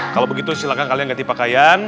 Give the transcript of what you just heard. kalau begitu silahkan kalian ganti pakaian